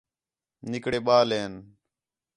نِکڑے ٻال ہین